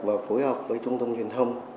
và phối hợp với trung tâm truyền thông